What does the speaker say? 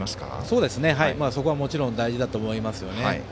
そうですね、そこはもちろん大事だと思います。